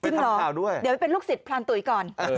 จริงหรอเดี๋ยวไปเป็นลูกศิษย์พานตุ๋ยก่อน